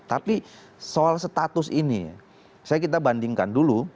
tapi soal status ini saya kita bandingkan dulu